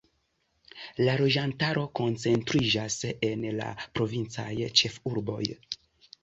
La loĝantaro koncentriĝas en la provincaj ĉefurboj.